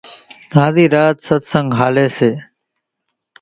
هازِي راچ ستسنڳ هاليَ سي۔